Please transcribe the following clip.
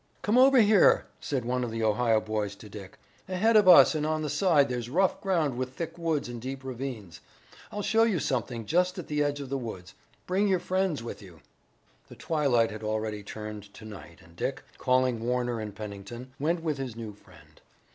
"Come over here," said one of the Ohio boys to Dick. "Ahead of us and on the side there's rough ground with thick woods and deep ravines. I'll show you something just at the edge of the woods. Bring your friends with you." The twilight had already turned to night and Dick, calling Warner and Pennington, went with his new friend.